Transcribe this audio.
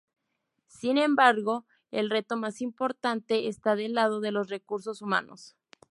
Sin embargo, el reto más importante está del lado de los recursos humanos.